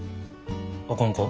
あかんか？